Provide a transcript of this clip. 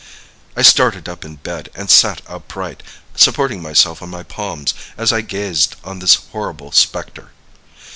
"I started up in bed and sat upright, supporting myself on my palms, as I gazed on this horrible specter.